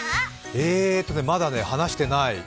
えーとね、まだ話してない。